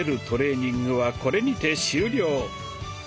トレーニングはこれにて終了！